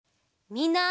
みんな！